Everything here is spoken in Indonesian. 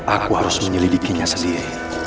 aku harus menyelidikinya sendiri